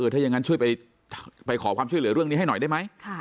ถ้าอย่างนั้นช่วยไปขอความช่วยเหลือเรื่องนี้ให้หน่อยได้ไหม